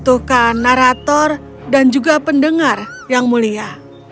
membutuhkan narator dan juga pendengar yang mulia